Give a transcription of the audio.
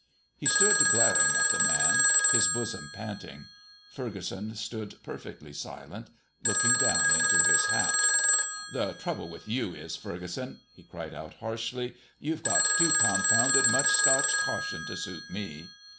He stood glaring at the man, his bosom panting. Furgeson stood perfectly silent, looking down into his hat. "The trouble with you is, Furgeson," he cried out, harshly, "you've got too confounded much Scotch caution to suit me."